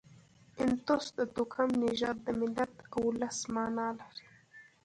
انتوس د توکم، نژاد، د ملت او اولس مانا لري.